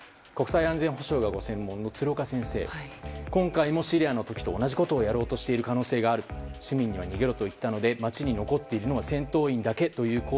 国際安全保障がご専門の鶴岡先生は今回もシリアの時と同じようなことをしようとしている可能性があると市民には逃げろと言ったので街に残っているのは戦闘員だけという